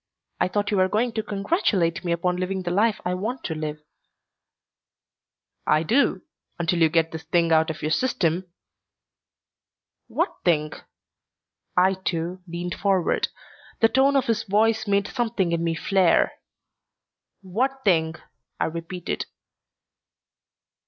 I thought you were going to congratulate me upon living the life I want to live." "I do. Until you get this thing out of your system " "What thing?" I, too, leaned forward. The tone of his voice made something in me flare. "What thing?" I repeated.